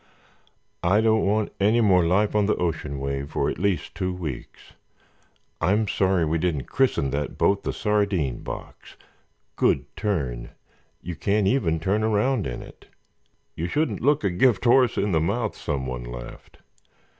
I don't want any more life on the ocean wave for at least two weeks. I'm sorry we didn't christen that boat the Sardine Box. Good Turn—you can't even turn around in it!" "You shouldn't look a gift horse in the mouth," someone laughed.